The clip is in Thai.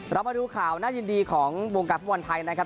เรามาดูข่าวน่ายินดีของวงการฟุตบอลไทยนะครับ